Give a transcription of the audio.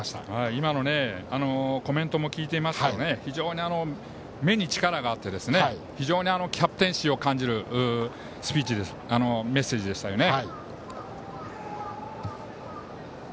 今のコメントを聞いていても非常に目に力があってキャプテン心を感じるメッセージでしたよね。